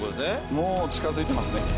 もう近づいてますね